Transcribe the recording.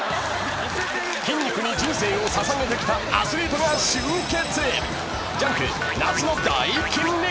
［筋肉に人生を捧げてきたアスリートが集結］